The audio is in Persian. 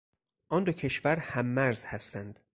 آن دو کشور هممرز هستند.